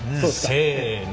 せの。